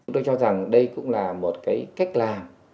tôi cho rằng đây cũng là một cái cách làm